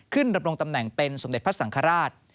ขึ้นรับรวมตำแหน่งเป็นสมเด็จพระสังขราช